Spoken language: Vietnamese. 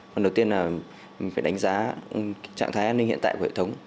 phần đầu tiên là mình phải đánh giá trạng thái an ninh hiện tại của hệ thống